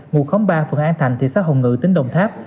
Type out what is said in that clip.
ngụ khóm ba phường an thành thị xã hồng ngự tỉnh đồng tháp